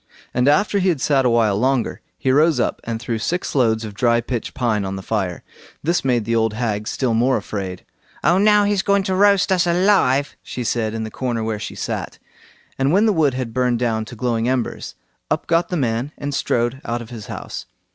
And after he had sat a while longer, he rose up and threw six loads of dry pitch pine on the fire. This made the old hag still more afraid. "Oh! now he's going to roast us alive", she said, in the corner where she sat. And when the wood had burned down to glowing embers, up got the man and strode out of his house.